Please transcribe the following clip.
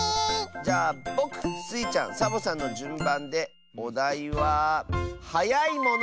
じゃあぼくスイちゃんサボさんのじゅんばんでおだいは「はやいもの」！